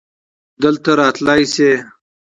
دلته راتللی شې؟